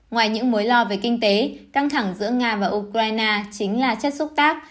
ngoài những mối lo về kinh tế căng thẳng giữa nga và ukraine chính là chất xúc tác